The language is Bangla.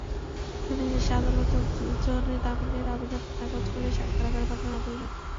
শুনানি শেষে আদালত দুজনের জামিনের আবেদন নাকচ করে কারাগারে পাঠানোর আদেশ দেন।